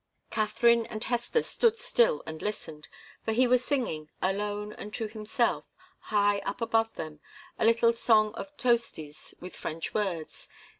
Katharine and Hester stood still and listened, for he was singing, alone and to himself, high up above them, a little song of Tosti's with French words.